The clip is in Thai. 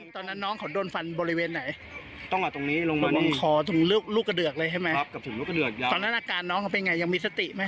ตอนนั้นนักการณ์น้องเขาเป็นไงยังมีสติมั้ย